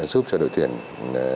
giúp cho đội tuyển có